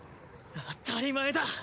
当たり前だ！